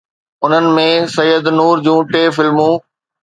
انهن ۾ سيد نور جون ٽي فلمون